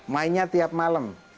mainnya tiap malam